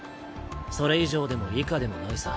それ以上でも以下でもないさ。